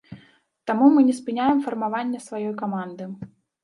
Таму мы не спыняем фармаванне сваёй каманды.